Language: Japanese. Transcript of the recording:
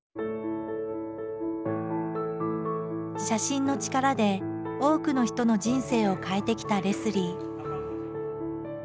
写真の力で多くの人の人生を変えてきたレスリー。